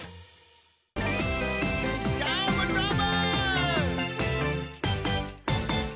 どーもどーも！